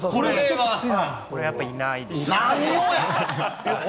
これやっぱり、いないですね。